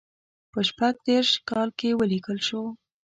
په شپږ دېرش کال کې ولیکل شو.